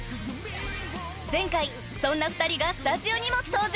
［前回そんな２人がスタジオにも登場］